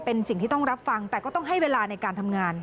เป็นสิ่งที่ต้องรับฟังแต่ก็ต้องให้เวลาในการทำงาน